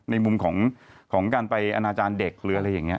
ในมุมของการไปอนาจารย์เด็กหรืออะไรอย่างนี้